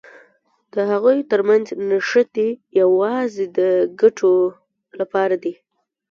د هغوی تر منځ نښتې یوازې د ګټو لپاره دي.